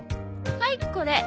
はいこれ。